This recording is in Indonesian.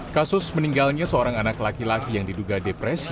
kasus meninggalnya seorang anak laki laki yang diduga depresi